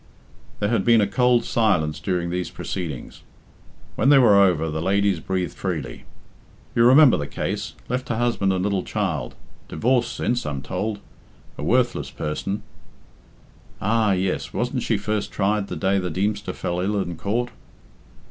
There had been a cold silence during these proceedings. When they were over, the ladies breathed freely. "You remember the case left her husband and little child divorced since, I'm told a worthless person." "Ah! yes, wasn't she first tried the day the Deemster fell ill in court?"